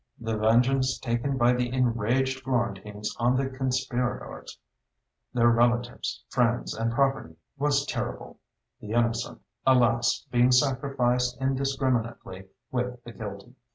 The vengeance taken by the enraged Florentines on the conspirators, their relatives, friends, and property, was terrible; the innocent, alas! being sacrificed indiscriminately with the guilty.